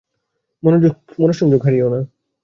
মনঃসংযোগ হারিয়ো না।